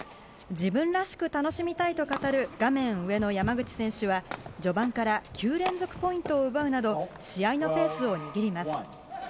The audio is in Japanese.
自分らしく楽しみたいと語る画面上の山口選手は序盤から９連続ポイントを奪うなど試合のペースを握ります。